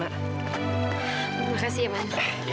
terima kasih ya man